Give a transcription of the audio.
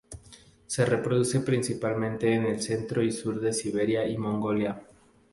Se reproduce principalmente en el centro y sur de Siberia y Mongolia.